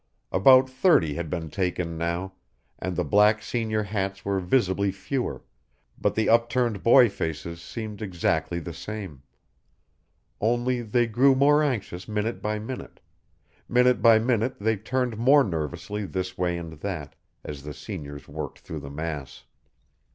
About thirty had been taken now, and the black senior hats were visibly fewer, but the upturned boy faces seemed exactly the same. Only they grew more anxious minute by minute; minute by minute they turned more nervously this way and that as the seniors worked through the mass.